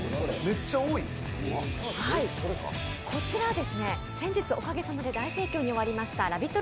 こちらですね先日、おかげさまで大盛況に終わりましたＬＯＶＥＩＴ！